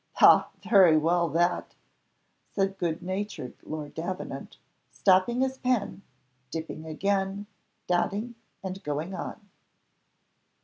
'" "Ha! very well that," said good natured Lord Davenant, stopping his pen, dipping again, dotting, and going on.